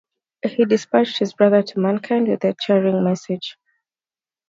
He dispatched his brother to mankind with this cheering message.